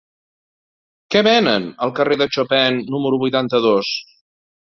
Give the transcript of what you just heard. Què venen al carrer de Chopin número vuitanta-dos?